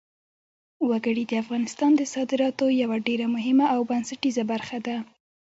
وګړي د افغانستان د صادراتو یوه ډېره مهمه او بنسټیزه برخه ده.